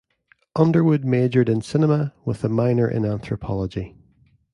Underwood majored in cinema with a minor in anthropology.